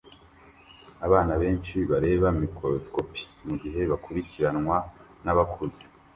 Abana benshi bareba mikorosikopi mugihe bakurikiranwa nabakuze